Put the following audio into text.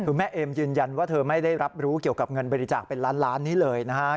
คือแม่เอมยืนยันว่าเธอไม่ได้รับรู้เกี่ยวกับเงินบริจาคเป็นล้านล้านนี้เลยนะครับ